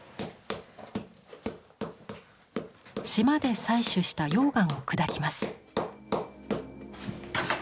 島で採取した溶岩を砕きます。